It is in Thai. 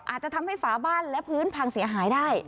อาจจะทำให้ฝาบ้านและพื้นพังเสียหายได้